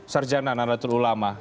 sarjana naradul ulama